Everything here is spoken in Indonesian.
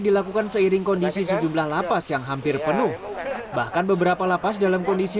dilakukan seiring kondisi sejumlah lapas yang hampir penuh bahkan beberapa lapas dalam kondisi